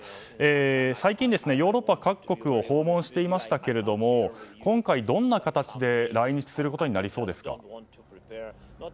最近ヨーロッパ各国を訪問していましたけども今回、どんな形で来日することになりそうですか。